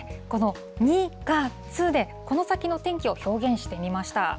この２月でこの先の天気を表現してみました。